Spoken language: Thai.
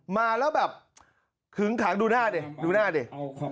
มาแล้วแบบขึงขังดูหน้าดิ